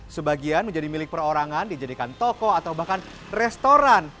sebagian menjadi milik perorangan dijadikan toko atau bahkan restoran